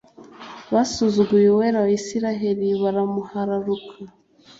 basuzuguye Uwera wa Isirayeli baramuhararuka